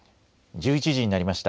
１１時になりました。